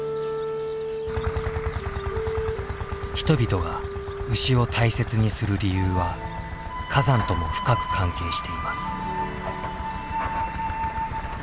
人々が牛を大切にする理由は火山とも深く関係しています。